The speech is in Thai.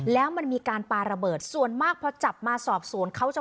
แล้วมันมีการปาระเบิดส่วนมากพอจับมาสอบสวนเขาจะ